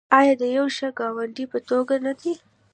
آیا د یو ښه ګاونډي په توګه نه دی؟